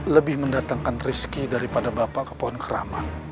lebih mendatangkan riski daripada bapak ke pohon keramat